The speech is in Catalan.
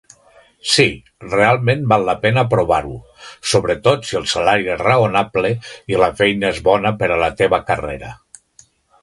Sí, realment val la pena provar-ho, sobretot si el salari és raonable i la feina és bona per a la teva carrera.